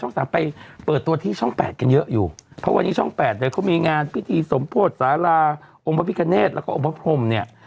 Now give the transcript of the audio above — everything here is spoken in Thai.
สามไปเปิดตัวที่ช่องแปดกันเยอะอยู่เพราะวันนี้ช่องแปดเนี่ยเขามีงานพิธีสมโพธิสาราองค์พระพิคเนธแล้วก็องค์พระพรมเนี่ย